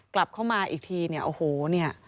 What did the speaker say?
กลับเข้ามาอีกทีเนี่ยโอ้โหเนี่ย